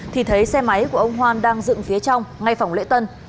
thì thấy xe máy của ông hoan đang dựng phía trong ngay phòng lễ tân